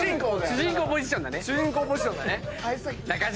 主人公ポジションだね。